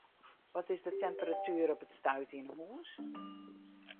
Wat is de temperatuer op it stuit yn 'e hûs?